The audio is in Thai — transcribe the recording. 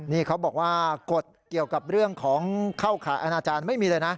นี่เขาบอกว่ากฎเกี่ยวกับเรื่องของเข้าข่ายอาณาจารย์ไม่มีเลยนะ